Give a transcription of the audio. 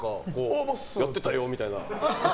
やってたよみたいな。